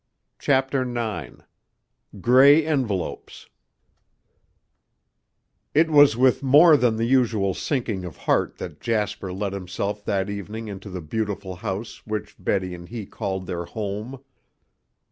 CHAPTER IX GRAY ENVELOPES It was with more than the usual sinking of heart that Jasper let himself that evening into the beautiful house which Betty and he called their home.